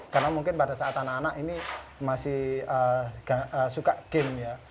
karena mungkin pada saat anak anak ini masih suka game ya